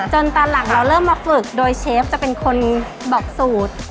ตอนหลังเราเริ่มมาฝึกโดยเชฟจะเป็นคนบอกสูตร